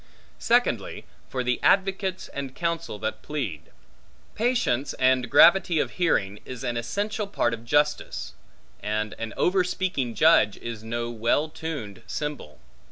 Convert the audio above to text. Secondly, for the advocates and counsel that plead. Patience and gravity of hearing, is an essential part of justice; and an overspeaking judge is no well tuned cymbal.